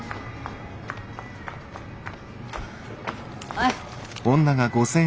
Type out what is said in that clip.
はい。